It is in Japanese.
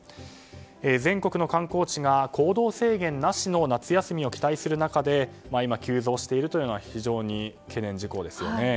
全国の観光地が行動制限なしの夏休みを期待する中で今、急増しているのは非常に懸念事項ですよね。